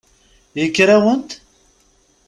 Yuker-awent.